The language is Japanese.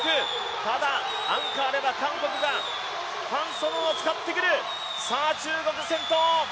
ただアンカーで韓国ファン・ソヌを使ってくる、中国先頭。